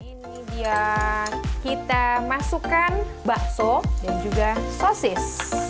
ini dia kita masukkan bakso dan juga sosis